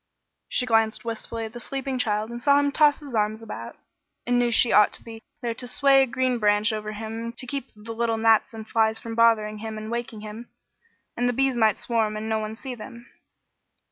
She glanced wistfully at the sleeping child and saw him toss his arms about, and knew she ought to be there to sway a green branch over him to keep the little gnats and flies from bothering him and waking him; and the bees might swarm and no one see them.